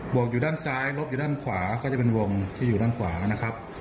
วกอยู่ด้านซ้ายลบอยู่ด้านขวาก็จะเป็นวงที่อยู่ด้านขวานะครับ